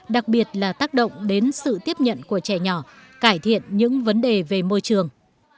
đặc biệt là tác động đến sự tiếp nhận của trẻ nhỏ cải thiện những vấn đề về môi trường